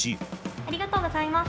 ありがとうございます。